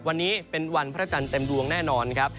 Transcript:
วันนี้เป็นวันพระจันทร์เต็มดวงแน่นอนครับ